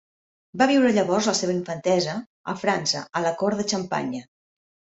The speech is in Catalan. Va viure llavors la seva infantesa a França a la cort de Xampanya.